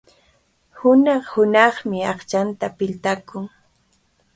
Hunaq-hunaqmi aqchanta piltakun.